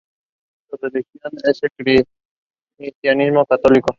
Su religión es el cristianismo católico.